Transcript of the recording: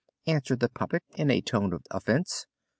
answered the puppet in a tone of offense.